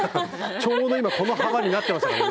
ちょうど今この幅になってましたからね。